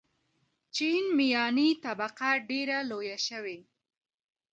چین میاني طبقه ډېره لویه شوې.